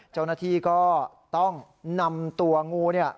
เจ้าหน้าที่ก็ต้องนำตัวงูเนี่ย